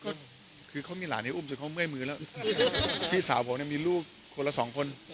ก็คือเขามีหลานให้อุ้มจนเขาเมื่อยมือแล้วพี่สาวผมเนี่ยมีลูกคนละสองคน